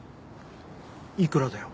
いくらだよ？